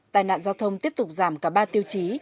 tài nạn giao thông tiếp tục giảm cả ba tiêu chí